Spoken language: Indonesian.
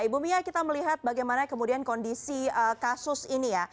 ibu mia kita melihat bagaimana kemudian kondisi kasus ini ya